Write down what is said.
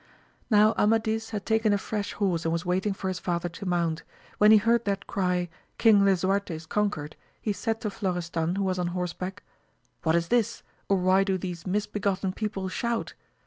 Now Amadis had taken a fresh horse and* was waiting for his father to mount. When he heard that cry, King Lisuarte is conquered ! he said to Florestan, who was on horseback, What is this, or why do these misbegotten people shout?